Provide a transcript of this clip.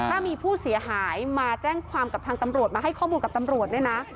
ถ้ามีผู้เสียหายมาแจ้งความกับทางตำรวจมาให้ข้อมูลกับตำรวจเนี่ยนะ